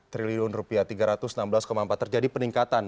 triliun rupiah tiga ratus enam belas empat terjadi peningkatan